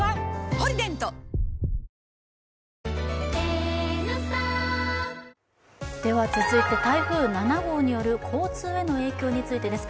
「ポリデント」続いて台風７号による交通への影響についてです。